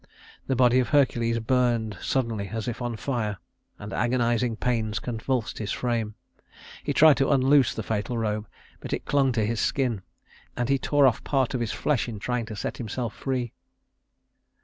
The body of Hercules burned suddenly as if on fire, and agonizing pains convulsed his frame. He tried to unloose the fatal robe, but it clung to his skin, and he tore off part of his flesh in trying to set himself free.